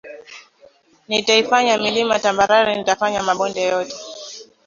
Nitaifanya milima tambarare Nitayafanya mabonde yote